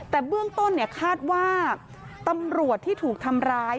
แต่เบื้องต้นคาดว่าตำรวจที่ถูกทำร้าย